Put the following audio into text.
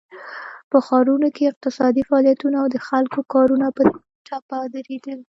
په ښارونو کې اقتصادي فعالیتونه او د خلکو کارونه په ټپه ودرېدل.